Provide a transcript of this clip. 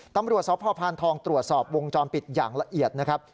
ตำรวจสพพานทองตรวจสอบวงจรปิดอย่างละเอียดนะครับ